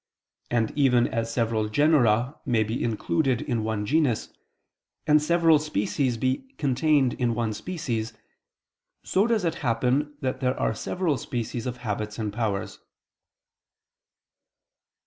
And even as several genera may be included in one genus, and several species be contained in one species; so does it happen that there are several species of habits and powers.